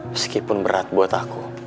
meskipun berat buat aku